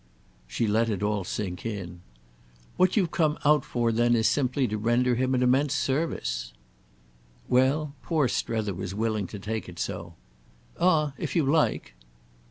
She let it all sink in. "What you've come out for then is simply to render him an immense service." Well, poor Strether was willing to take it so. "Ah if you like."